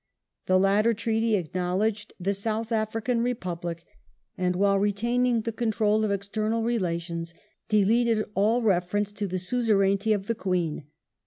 The latter treaty acknowledged the " South African Republic," and, while retaining the control of ex ternal relations, deleted all reference to the suzerainty of the Queen.